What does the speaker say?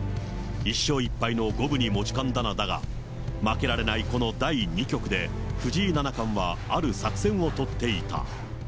１勝１敗の五分に持ち込んだのだが、負けられないこの第２局で、藤井七冠は、ある作戦を取っていた。